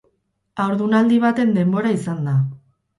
Haurdunaldi baten denbora izan da.